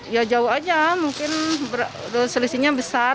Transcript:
ya jauh aja mungkin selisihnya besar